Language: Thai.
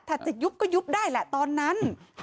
ถ้าจะยุบก็ยุบได้แหละตอนนั้น